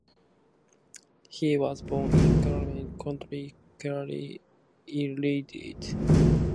He was born in Callan, County Kilkenny, Ireland.